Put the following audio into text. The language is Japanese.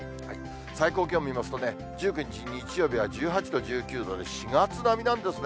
最高気温見ますとね、１９日日曜日は１８度、１９度で、４月並みなんですね。